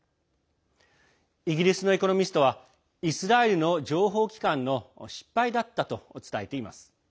イギリスの「エコノミスト」はイスラエルの情報機関の失敗だったと伝えています。